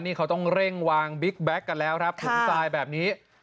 นี่เขาต้องเร่งวางบิ๊กแก๊กกันแล้วครับถึงทรายแบบนี้